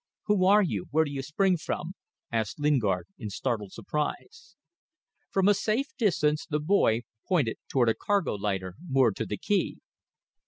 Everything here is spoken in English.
"Who are you? Where do you spring from?" asked Lingard, in startled surprise. From a safe distance the boy pointed toward a cargo lighter moored to the quay.